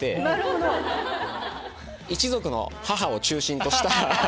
一族の母を中心とした。